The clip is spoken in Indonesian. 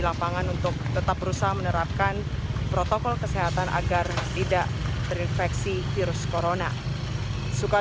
lapangan untuk tetap berusaha menerapkan protokol kesehatan agar tidak terinfeksi virus corona suka